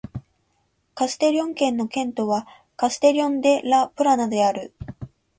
カステリョン県の県都はカステリョン・デ・ラ・プラナである